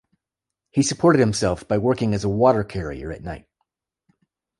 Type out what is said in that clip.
He supported himself by working as a water-carrier at night.